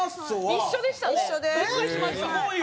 一緒でした。